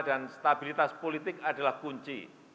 dan stabilitas politik adalah kunci